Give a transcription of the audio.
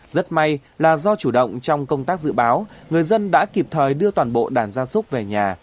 rất may là do chủ động trong công tác dự báo người dân đã kịp thời đưa toàn bộ đàn gia súc về nhà